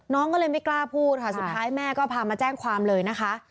น้องก็เลยไม่กล้าพูดค่ะสุดท้ายแม่ก็พามาแจ้งความเลยนะคะ